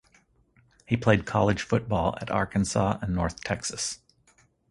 He played college football at Arkansas and North Texas.